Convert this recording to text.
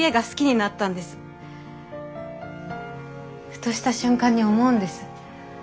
ふとした瞬間に思うんです。